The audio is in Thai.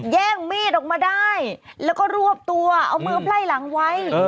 แย่งมีดออกมาได้แล้วก็รวบตัวเอามือไพ่หลังไว้